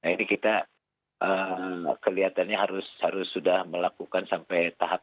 ini kita kelihatannya harus sudah melakukan sampai tahap